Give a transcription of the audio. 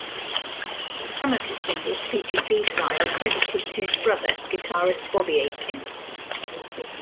Some of his singles featured B-sides credited to his brother, guitarist Bobby Aitken.